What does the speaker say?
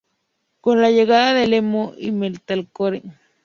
Con la llegada del emo y metalcore, "Kerrang!